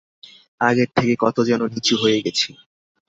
আগের থেকে কত যেন নিচু হয়ে গেছি।